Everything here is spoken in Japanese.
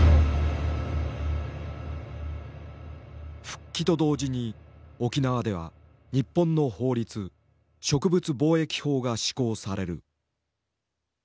復帰と同時に沖縄では日本の法律「植物防疫法」が施行される。